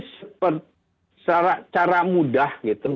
secara mudah gitu